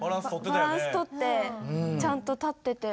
バランス取ってちゃんと立ってて。